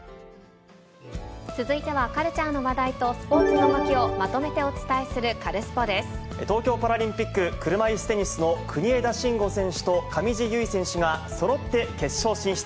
続いては、カルチャーの話題とスポーツの動きをまとめてお伝えするカルスポ東京パラリンピック、車いすテニスの国枝慎吾選手と、上地結衣選手がそろって決勝進出。